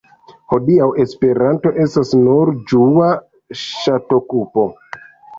Hodiaŭ Esperanto estas nur ĝua ŝatokupo.